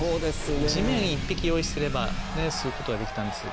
じめん１匹用意すればすることはできたんですが。